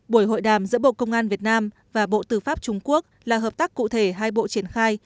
buổi hội đàm giữa bộ công an việt nam và bộ tư pháp trung quốc là hợp tác cụ thể hai bộ triển khai